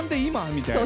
みたいな。